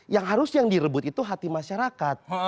yang harus yang direbut itu hati masyarakat